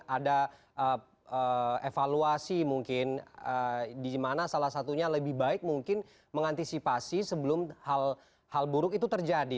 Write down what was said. ada evaluasi mungkin di mana salah satunya lebih baik mungkin mengantisipasi sebelum hal buruk itu terjadi